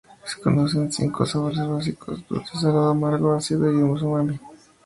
Se conocen cinco sabores básicos: dulce, salado, amargo, ácido y umami.